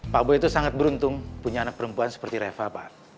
pak boy itu sangat beruntung punya anak perempuan seperti reva pak